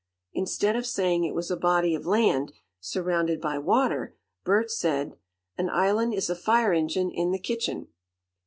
Instead of saying it was a body of land, surrounded by water, Bert said: "An island is a fire engine in the kitchen."